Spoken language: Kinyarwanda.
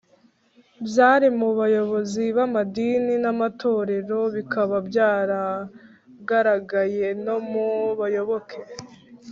Byari mu bayobozi b’amadini n’amatorero bikaba byaragaragaraye no mu bayoboke